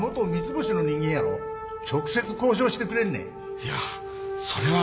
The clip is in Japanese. いやそれは。